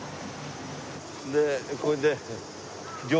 でこれで。